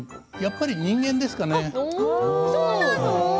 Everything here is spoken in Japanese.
そうなの？